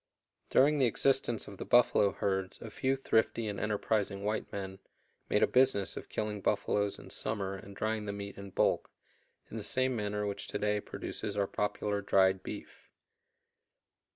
During the existence of the buffalo herds a few thrifty and enterprising white men made a business of killing buffaloes in summer and drying the meat in bulk, in the same manner which to day produces our popular "dried beef."